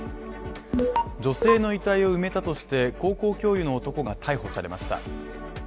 女性の遺体を埋めたとして高校教諭の男が逮捕されました。